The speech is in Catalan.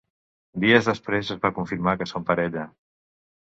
Dies després es va confirmar que són parella.